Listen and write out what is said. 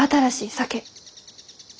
酒？